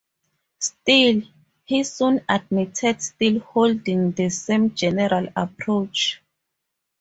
Still, he soon admitted still holding "the same general approach".